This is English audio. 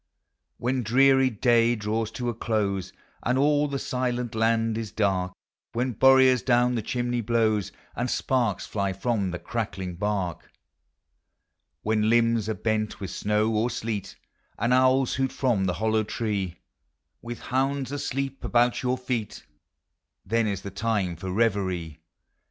When dreary day draws to a close And all the silent land is dark, Digitized by Google 300 POEMS OF HOME. When Boreas down the chimney blows And sparks lly from the crackling bark, When limbs are bent with snow or sleet And owls hoot from the hollow tree, With hounds asleep about your feet, Then is the time for reverie.